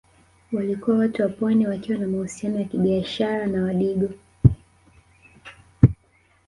Walikuta Watu wa Pwani wakiwa na mahusiano ya kibiashara na Wadigo